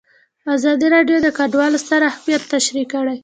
ازادي راډیو د کډوال ستر اهميت تشریح کړی.